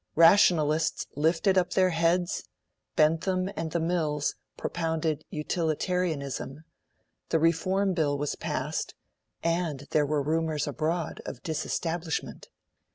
Rationalists lifted up their heads; Bentham and the Mills propounded Utilitarianism; the Reform Bill was passed; and there were rumours abroad of disestablishment.